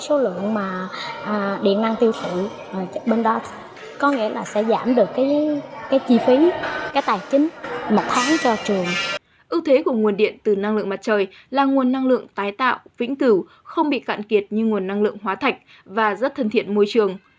ưu thế của nguồn điện từ năng lượng mặt trời là nguồn năng lượng tái tạo vĩnh cửu không bị cạn kiệt như nguồn năng lượng hóa thạch và rất thân thiện môi trường